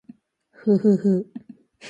ふふふ